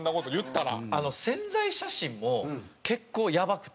宣材写真も結構やばくて。